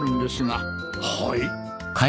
はい？